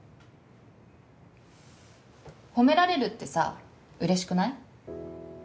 褒められるってさうれしくない？